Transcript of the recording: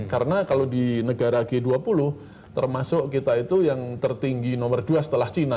karena kalau di negara g dua puluh termasuk kita itu yang tertinggi nomor dua setelah china